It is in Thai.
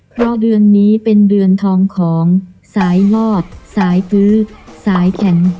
เพราะเดือนนี้เป็นเดือนทองของสายลอดสายฟื้อสายแข็ง